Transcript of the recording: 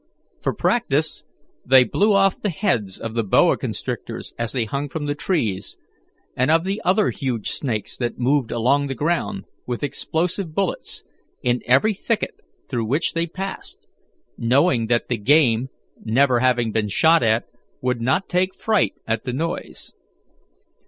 For practice, they blew off the heads of the boa constrictors as they hung from the trees, and of the other huge snakes that moved along the ground, with explosive bullets, in every thicket through which they passed, knowing that the game, never having been shot at, would not take fright at the noise.